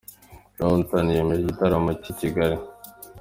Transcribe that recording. Runtown yemeje igitaramo cye i Kigali.